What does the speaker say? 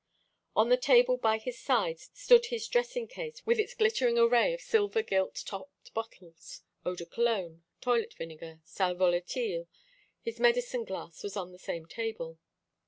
On the table by his side stood his dressing case, with its glittering array of silver gilt topped bottles eau de cologne, toilet vinegar, sal volatile. His medicine glass was on the same table.